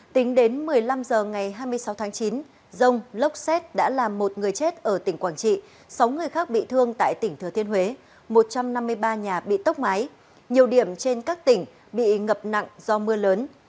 tính đến một mươi năm h ngày hai mươi sáu tháng chín rông lốc xét đã làm một người chết ở tỉnh quảng trị sáu người khác bị thương tại tỉnh thừa thiên huế một trăm năm mươi ba nhà bị tốc mái nhiều điểm trên các tỉnh bị ngập nặng do mưa lớn